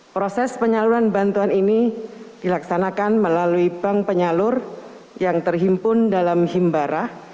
proses penyaluran bantuan ini dilaksanakan melalui bank penyalur yang terhimpun dalam himbarah